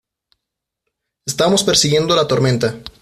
estamos persiguiendo la tormenta.